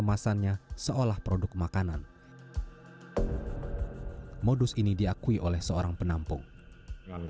lalu jerat pun dipasang